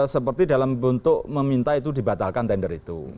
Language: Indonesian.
seperti dalam bentuk meminta itu dibatalkan tender itu